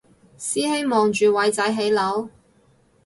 師兄望住偉仔起樓？